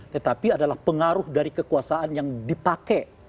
kami akan segera kembali